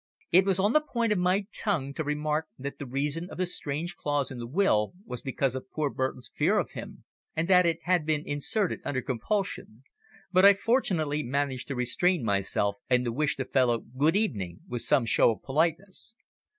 It was on the point of my tongue to remark that the reason of the strange clause in the will was because of poor Burton's fear of him, and that it had been inserted under compulsion, but I fortunately managed to restrain myself and to wish the fellow "Good evening" with some show of politeness.